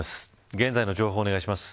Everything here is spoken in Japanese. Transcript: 現在の情報をお願いします。